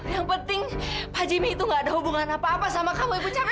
yang penting pak jimmy itu gak ada hubungan apa apa sama kamu ibu cami